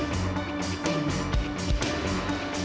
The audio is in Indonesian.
dia badut sekali loh apa ibu